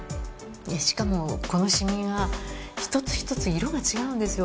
しかもこのシミが１つ１つ色が違うんですよ。